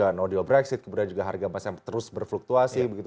kemudian juga no deal brexit kemudian juga harga emas yang terus berfluktuasi